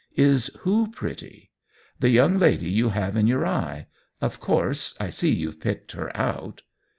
"Is who pretty?" '* The young lady you have in your eye. ( )f course I see you've picked her out."